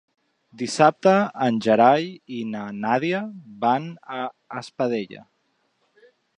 Dissabte en Gerai i na Nàdia van a Espadella.